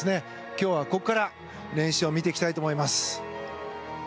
今日はここから練習を見ていきたいと思います。